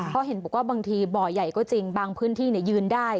เพราะเห็นบอกว่าบางทีบ่อใหญ่ก็จริงบางพื้นที่ยืนได้